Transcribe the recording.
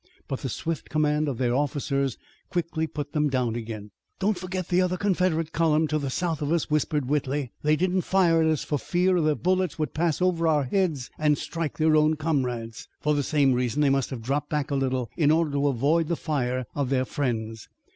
But the swift command of their officers quickly put them down again. "Don't forget the other Confederate column to the south of us," whispered Whitley. "They did not fire at first for fear their bullets would pass over our heads and strike their own comrades. For the same reason they must have dropped back a little in order to avoid the fire of their friends.